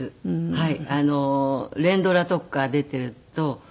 はい。